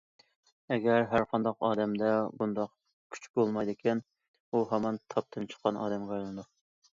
ئەگەر ھەرقانداق ئادەمدە بۇنداق كۈچ بولمايدىكەن ئۇ ھامان تاپتىن چىققان ئادەمگە ئايلىنىدۇ.